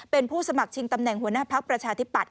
เป็นผู้สมัครชิงตำแหน่งหัวหน้าภักดิ์ประชาธิปัตย